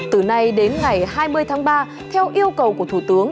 từ nay đến ngày hai mươi tháng ba theo yêu cầu của thủ tướng